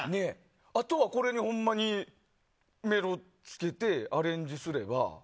あとはこれにほんまにメロつけてアレンジすれば。